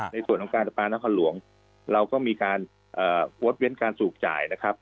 ในส่วนของการประปานครหลวงเราก็มีการงดเว้นการสูบจ่ายนะครับ